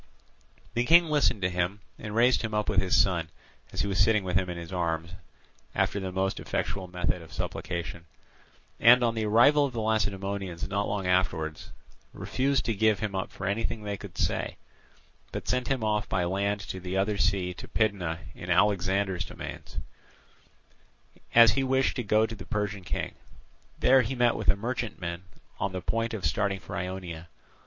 The King listened to him and raised him up with his son, as he was sitting with him in his arms after the most effectual method of supplication, and on the arrival of the Lacedaemonians not long afterwards, refused to give him up for anything they could say, but sent him off by land to the other sea to Pydna in Alexander's dominions, as he wished to go to the Persian king. There he met with a merchantman on the point of starting for Ionia.